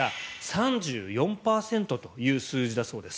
３４％という数字だそうです。